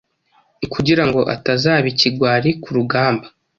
kugira ngo atazaba ikigwari ku rugamba